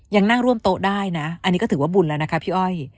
ยังนั่งร่วมโต๊ะได้นะอันนี้ก็ถือว่าบุญแล้วนะคะพี่อ้อย